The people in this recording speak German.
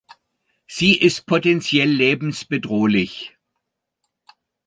Sie ist potenziell lebensbedrohlich.